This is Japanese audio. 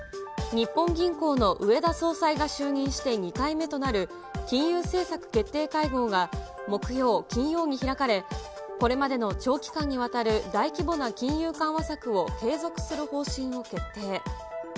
日本銀行の植田総裁が就任して２回目となる、金融政策決定会合が、木曜、金曜に開かれ、これまでの長期間にわたる大規模な金融緩和策を継続する方針を決定。